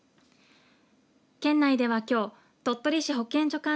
県内では、きょう鳥取市保健所